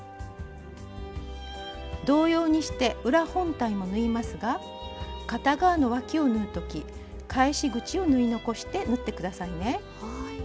同様にして裏本体も縫いますが片側のわきを縫う時返し口を縫い残して縫って下さいね。